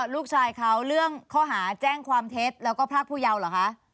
ลูกชายเขาเรื่องข้อหาแจ้งความเท็จแล้วก็พรากผู้เยาว์เหรอคะ